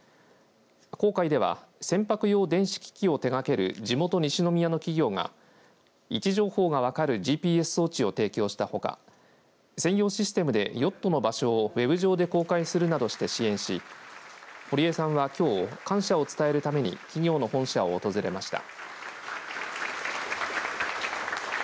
航海では船舶用電子機器を手がける地元西宮の企業が位置情報などが分かるＧＰＳ装置を提供したほか専用システムでヨットの場所をウェブ上で公開するなどして支援し堀江さんはきょう感謝を伝えるために企業の本社を訪れました。